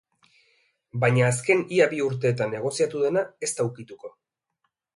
Baina azken ia bi urteetan negoziatu dena ez da ikutuko.